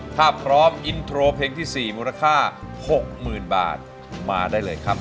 ถ้าพร้อมอินโทรเพลงที่๔มูลค่า๖๐๐๐บาทมาได้เลยครับ